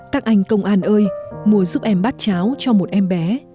các anh công an ơi mua giúp em bát cháo cho một em bé